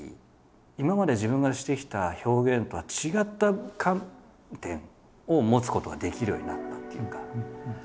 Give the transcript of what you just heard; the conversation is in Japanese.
今まで自分がしてきた表現とは違った観点を持つことができるようになったっていうか。